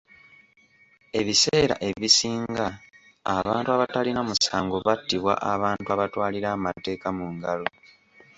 Ebiseera ebisinga abantu abatalina musango battibwa abantu abatwalira amateeka mu ngalo.